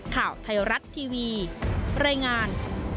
ข่าวไทยรัฐทีวีรายงาน